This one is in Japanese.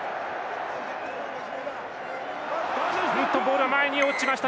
ボールが前に落ちました。